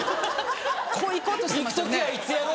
こう行こうとしてますよね。